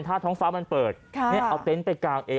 ถ้าท้องฟ้ามันเปิดค่ะเนี้ยเอาเต็นต์ไปกลางเอง